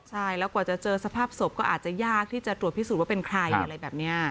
ใช่แล้วกว่าจะเจอสภาพศพก็อาจจะยากที่จะตรวจพิสูจนว่าเป็นใครอะไรแบบนี้